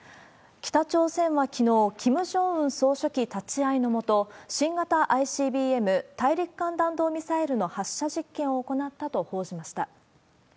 北朝鮮はきのう、キム・ジョンウン総書記立ち会いの下、新型ＩＣＢＭ・大陸間弾道ミサイルの発射実験を行ったと報じました。